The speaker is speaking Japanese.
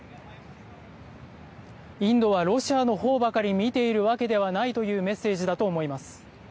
インドはロシアの方ばかり見ているわけではないというメッセージだと思います。